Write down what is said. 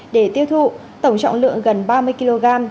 để tiêu thụ tổng trọng lượng gần ba mươi kg